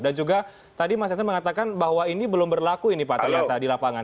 dan juga tadi mas jansen mengatakan bahwa ini belum berlaku ini pak ternyata di lapangan